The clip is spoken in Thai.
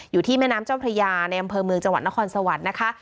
อยู่ที่แม่น้ำเจ้าพระยาในอำเภอเมืองจังหวัดนครสวรรค์นะคะ